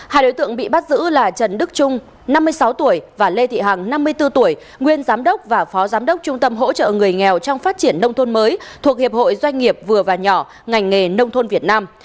hai đối tượng bị bắt giữ là trần đức trung năm mươi sáu tuổi và lê thị hằng năm mươi bốn tuổi nguyên giám đốc và phó giám đốc trung tâm hỗ trợ người nghèo trong phát triển nông thôn mới thuộc hiệp hội doanh nghiệp vừa và nhỏ ngành nghề nông thôn việt nam